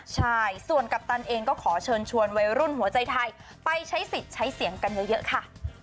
ใช่ส่วนกัปตันเองก็ขอเชิญชวนวัยรุ่นหัวใจไทยไปใช้สิทธิ์ใช้เสียงกันเยอะค่ะ